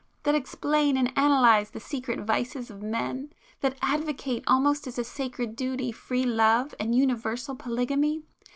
—that explain and analyse the secret vices of men?—that advocate almost as a sacred [p 202] duty 'free love' and universal polygamy?